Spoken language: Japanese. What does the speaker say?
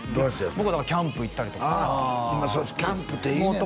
僕はキャンプ行ったりとかキャンプっていいねんな